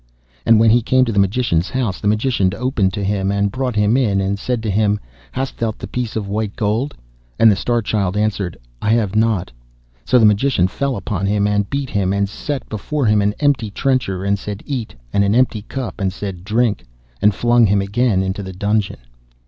And when he came to the Magician's house, the Magician opened to him, and brought him in, and said to him, 'Hast thou the piece of white gold?' And the Star Child answered, 'I have it not.' So the Magician fell upon him, and beat him, and set before him an empty trencher, and said, 'Eat,' and an empty cup, and said, 'Drink,' and flung him again into the dungeon.